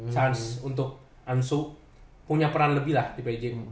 chance untuk ansu punya peran lebih lah di pj